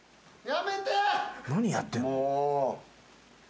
何やってんの？